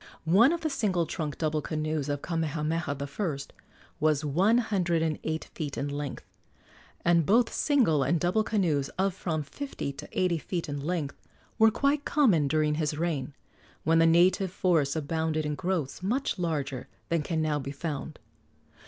One of the single trunk double canoes of Kamehameha I. was one hundred and eight feet in length, and both single and double canoes of from fifty to eighty feet in length were quite common during his reign, when the native forests abounded in growths much larger than can now be found.